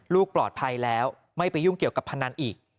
ลูกปลอดภัยแล้วไม่ไปยุ่งเกี่ยวกับพนันอีก